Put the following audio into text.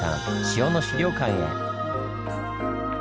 塩の資料館へ。